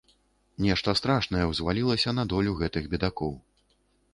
Нешта страшнае ўзвалілася на долю гэтых бедакоў.